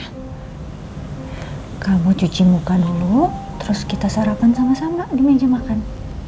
hai kamu cuci muka dulu terus kita sarapan sama sama di meja makan